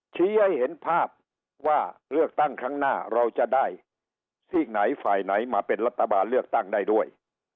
ชี้ให้เห็นภาพว่าเลือกตั้งครั้งหน้าเราจะได้ซีกไหนฝ่ายไหนมาเป็นรัฐบาลเลือกตั้งได้ด้วย